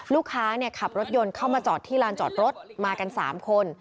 ลูกค้าขับรถยนต์เข้ามาจอดที่ลานจอดรถมากัน๓คน